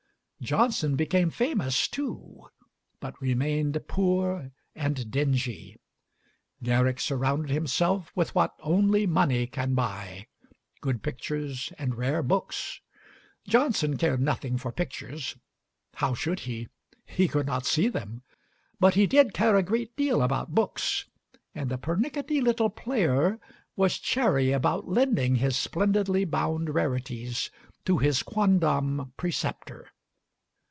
Johnson became famous too, but remained poor and dingy. Garrick surrounded himself with what only money can buy, good pictures and rare books. Johnson cared nothing for pictures how should he? he could not see them; but he did care a great deal about books, and the pernickety little player was chary about lending his splendidly bound rarities to his quondam preceptor.